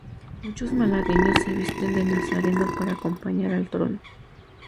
Muchos malagueños se visten de nazareno para acompañar al trono.